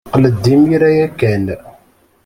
Qqel-d imir-a ya kan.